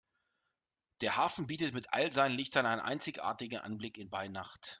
Der Hafen bietet mit all seinen Lichtern einen einzigartigen Anblick bei Nacht.